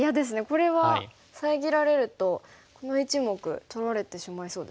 これは遮られるとこの１目取られてしまいそうですね。